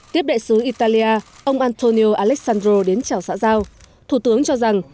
tiếp đại sứ italia ông antonio alessandro đến chào xã giao thủ tướng cho rằng